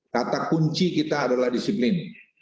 kata kunci kita adalah disiplin